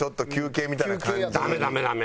ダメダメダメ！